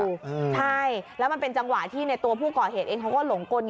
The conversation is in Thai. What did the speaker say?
ใช่แล้วมันเป็นจังหวะที่ตัวผู้ก่อเหตุเองเขาก็หลงกล